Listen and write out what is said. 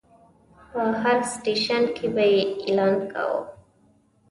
په هر سټیشن کې به یې اعلان کاوه.